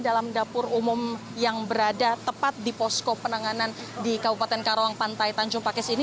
dalam dapur umum yang berada tepat di posko penanganan di kabupaten karawang pantai tanjung pakis ini